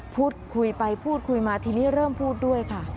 พูดคุยไปพูดคุยมาทีนี้เริ่มพูดด้วยค่ะ